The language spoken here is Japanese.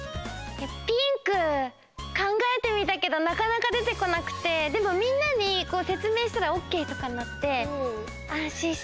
ピンクかんがえてみたけどなかなか出てこなくてでもみんなにせつめいしたらオーケーとかになってあんしんした。